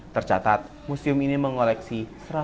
tercatat museum ini mengoleksi